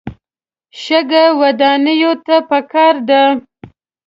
شګه ودانیو ته پکار ده.